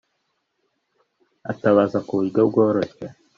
atabaza ku buryo bworoshye